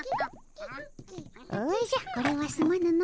おじゃこれはすまぬの。